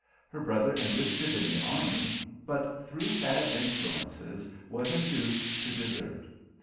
Her brother enlisted in the army, but, through bad influences, was induced to desert.